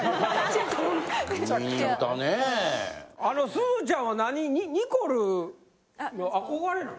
すずちゃんは何ニコル憧れなん？